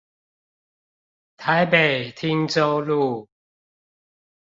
台北汀州路